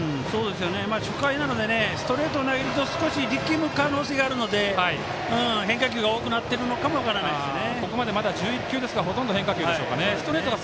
初回なのでストレートを投げると少し、力む可能性があるので変化球が多くなっているのかも分からないですね。